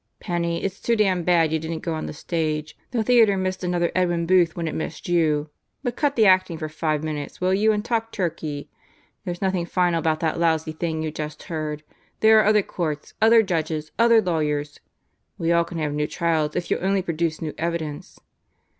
"Penney, it's too damn bad you didn't go on the stage. The theater missed another Edwin Booth when it missed you. But cut the acting for five minutes will you, and talk turkey. There's nothing final about that lousy thing you just heard. There are other courts, other judges, other lawyers. We all can have new trials if you'll only produce new evidence."